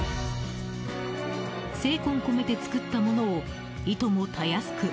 精魂込めて作ったものをいともたやすく